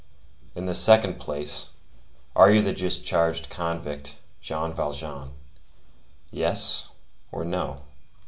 In the second place, are you the discharged convict, Jean Valjean—yes or no?"